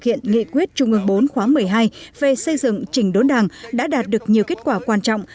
hiện nghị quyết trung ương bốn khóa một mươi hai về xây dựng chỉnh đốn đảng đã đạt được nhiều kết quả quan trọng